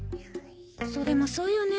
それもそうよね。